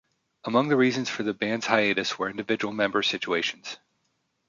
Among the reasons for the band's hiatus were individual member situations.